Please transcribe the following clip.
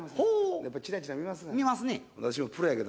やっぱりチラチラ見ますがな。